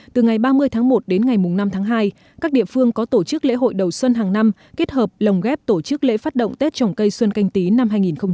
từ ngày ba mươi tháng một đến ngày năm tháng hai các địa phương có tổ chức lễ hội đầu xuân hàng năm kết hợp lồng ghép tổ chức lễ phát động tết trồng cây xuân canh tí năm hai nghìn hai mươi